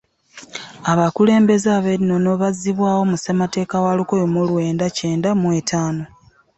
Abakulembeze ab’ennono bazzibwawo mu ssemateeka wa lukumi mu lwenda kyenda mu etaano.